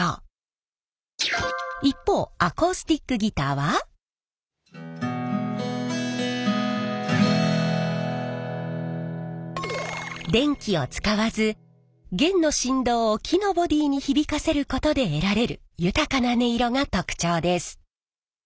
まずは一方電気を使わず弦の振動を木のボディーに響かせることで得られる豊かな音色が特徴です。